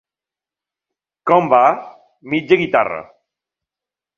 Com va? Mitja guitarra.